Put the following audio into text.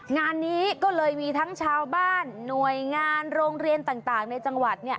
งานนี้ก็เลยมีทั้งชาวบ้านหน่วยงานโรงเรียนต่างในจังหวัด